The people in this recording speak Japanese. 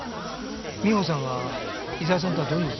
美穂さんは伊沢さんとはどういう？